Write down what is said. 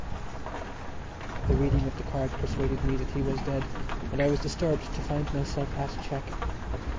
_ The reading of the card persuaded me that he was dead and I was disturbed to find myself at check.